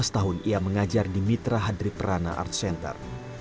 sembilan belas tahun ia mengajar di mitra hadri prana art center